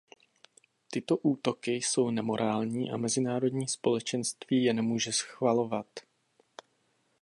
Tyto útoky jsou nemorální a mezinárodní společenství je nemůže schvalovat.